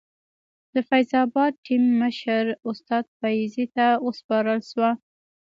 د فیض اباد ټیم مشر استاد فیضي ته وسپارل شوه.